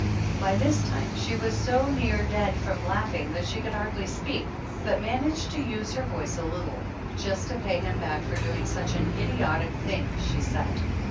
By this time she was so near dead from laughing that she could hardly speak, but managed to use her voice a little, just to pay him back for doing such an idiotic thing, she said.